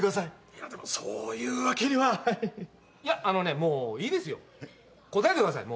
いやでもそういうわけにはいやあのねもういいですよ答えてください